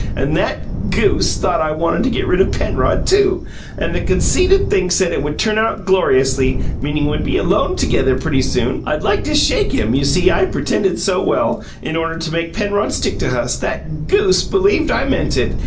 And that GOOSE thought I WANTED to get rid of Penrod, too; and the conceited thing said it would turn out 'gloriously,' meaning we'd be alone together pretty soon I'd like to shake him! You see, I pretended so well, in order to make Penrod stick to us, that GOOSE believed I meant it!